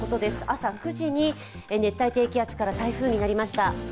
朝９時に熱帯低気圧から台風になりました。